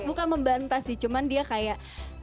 bukan membantah sih cuman dia kayak